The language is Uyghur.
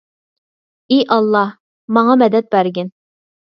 ئى ئاللاھ، ماڭا مەدەت بەرگىن.